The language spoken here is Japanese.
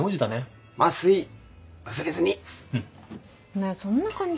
ねぇそんな感じ？